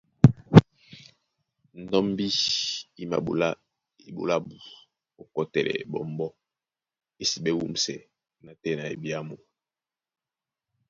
Ndɔ́mbí í maɓolá eɓoló ábū ó kɔtɛlɛ ɓɔmbɔ́, ésiɓɛ́ wûmsɛ nátɛna ebyámu.